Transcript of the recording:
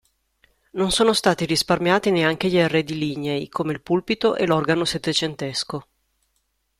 Non sono stati risparmiati neanche gli arredi lignei come il pulpito e l'organo settecentesco.